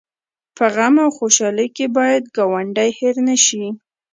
په غم او خوشحالۍ کې باید ګاونډی هېر نه شي